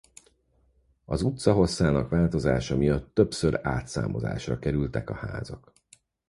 Az utca hosszának változása miatt többször átszámozásra kerültek a házak.